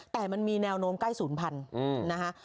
แต่มันมีแนวโน้มใกล้ศูนย์พันธุ์นะคะ